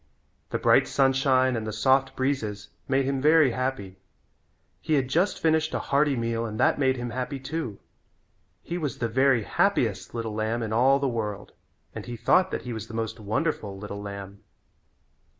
The bright sunshine and the soft breezes made him very happy. He had just finished a hearty meal and that made him happy too. He was the very happiest little lamb in all the world and he thought that he was the most wonderful little lamb.